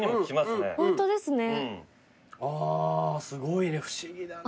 すごいね不思議だね。